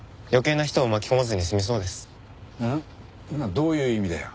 どういう意味だよ？